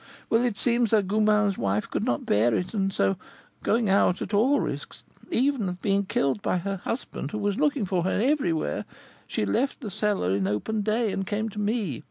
Well, it seems that Goubin's wife could not bear it, and so, going out at all risks, even of being killed by her husband, who was looking for her everywhere, she left the cellar in open day, and came to me.